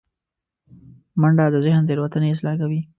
منډه د ذهن تیروتنې اصلاح کوي